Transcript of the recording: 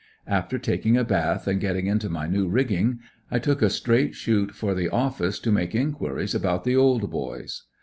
After taking a bath and getting into my new rigging, I took a straight shoot for the office to make inquiries about the old boys.